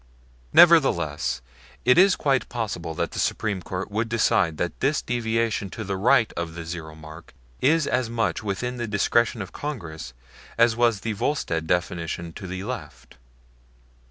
Nevertheless it is quite possible that the Supreme Court would decide that this deviation to the right of the zero mark is as much within the discretion of Congress as was the Volstead deviation to the left.